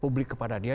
publik kepada dia